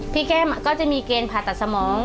แก้มก็จะมีเกณฑ์ผ่าตัดสมอง